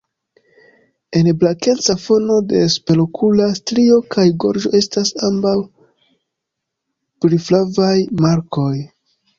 En blankeca fono de superokula strio kaj gorĝo estas ambaŭ brilflavaj markoj.